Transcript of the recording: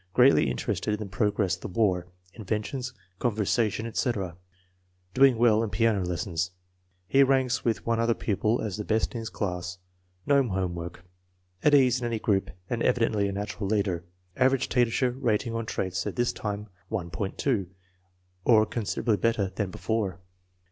Greatly interested in the progress of the war, inventions, conversation, etc. Doing well in piano lessons. He ranks with one other pupil as the best in his class. No home work. At ease in any group and evidently a natural leader. Average teacher rating on traits at this time, 1.20, or considerably better than before.